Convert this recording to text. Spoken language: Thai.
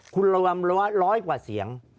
คุณระวังร้อยกว่าเสียง